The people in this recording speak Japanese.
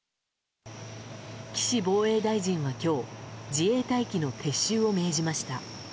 岸防衛大臣は今日自衛隊機の撤収を命じました。